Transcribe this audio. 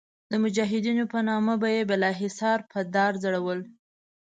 د مجاهدینو په نامه به یې بالاحصار په دار ځړول.